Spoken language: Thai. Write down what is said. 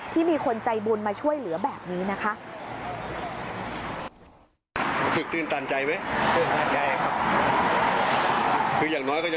มีคนใจบุญมาช่วยเหลือแบบนี้นะคะ